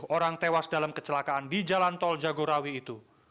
satu orang tewas dalam kecelakaan di jalan tol jagorawi itu